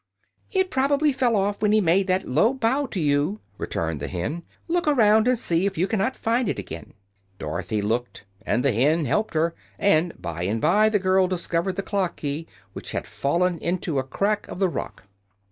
"It probably fell off when he made that low bow to you," returned the hen. "Look around, and see if you cannot find it again." Dorothy looked, and the hen helped her, and by and by the girl discovered the clock key, which had fallen into a crack of the rock.